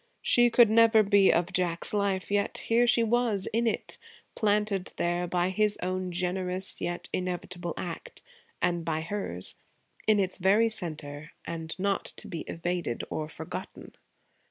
She could never be of Jack's life; yet here she was, in it, planted there by his own generous yet inevitable act, and by hers in its very centre, and not to be evaded or forgotten.